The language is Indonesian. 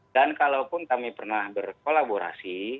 dan kalaupun kami pernah berkolaborasi